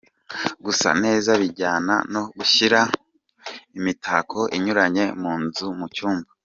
Gusasa neza bijyana no gushyira imitako inyuranye mu nzu, mu cyumba.